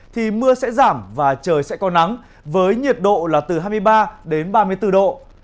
thì mưa sẽ giảm và trời sẽ có nắng với nhiệt độ là từ hai mươi ba đến ba mươi bốn độ